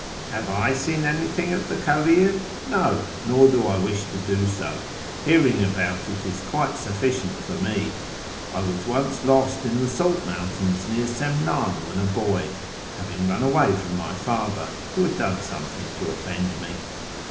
" Have I seen anything of the Tcavir ? ISTo, nor do I wish to do so ; hearing about it is quite sufficient for me. I was once lost in the salt mountains near Semnan when a boy, FROM TEH ERA N TO ISFAHAN 179 having run away from my father, who had done something to offend me.